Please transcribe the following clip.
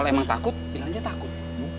kalau emang takut bilang aja takut